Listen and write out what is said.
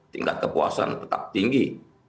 tingkat kepuasan tetap tinggi